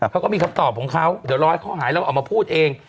เขาก็มีคำตอบของเขาเดี๋ยวรอให้เขาหายแล้วออกมาพูดเอง